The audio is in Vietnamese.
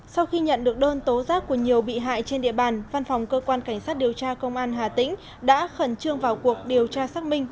sau khi nhận được đơn tố giác của nhiều bị hại trên địa bàn văn phòng cơ quan cảnh sát điều tra công an hà tĩnh đã khẩn trương vào cuộc điều tra xác minh